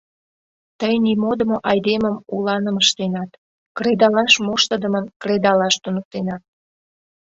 Тый нимодымо айдемым уланым ыштенат, кредалаш моштыдымым кредалаш туныктенат.